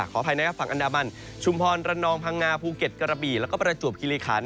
ขออภัยนะครับฝั่งอันดามันชุมพรระนองพังงาภูเก็ตกระบี่แล้วก็ประจวบคิริขัน